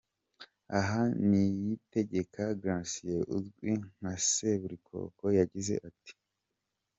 Aha Niyitegeka Gratien uzwi nka Seburikoko yagize ati:.